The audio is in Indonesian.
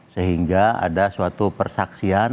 sehingga ada suatu persaksian